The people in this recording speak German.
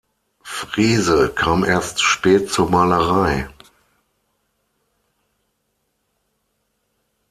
Freese kam erst spät zur Malerei.